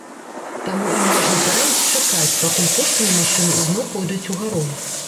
Таму ім можна параіць чакаць, пакуль кошты на машыны ізноў пойдуць у гару.